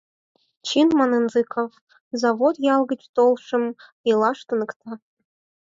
— Чын, — манын Зыков, — завод ял гыч толшым илаш туныкта.